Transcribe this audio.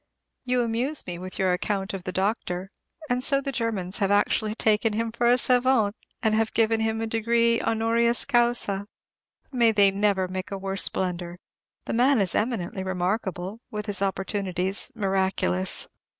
You amuse me with your account of the doctor; and so the Germans have actually taken him for a savant, and given him a degree "honoris causa." May they never make a worse blunder. The man is eminently remarkable, with his opportunities, miraculous.